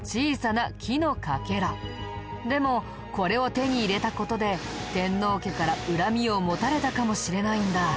でもこれを手に入れた事で天皇家から恨みを持たれたかもしれないんだ。